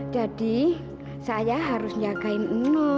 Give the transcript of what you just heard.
jadi saya harus jagain non